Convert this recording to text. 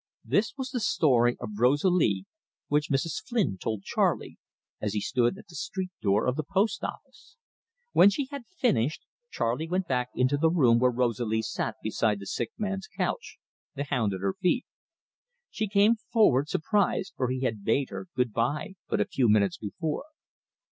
This was the story of Rosalie which Mrs. Flynn told Charley, as he stood at the street door of the post office. When she had finished, Charley went back into the room where Rosalie sat beside the sick man's couch, the hound at her feet. She came forward, surprised, for he had bade her good bye but a few minutes before.